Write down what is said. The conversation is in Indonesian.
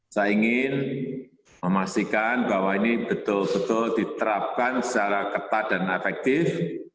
saya ingin memastikan bahwa ini betul betul diterapkan secara ketat dan efektif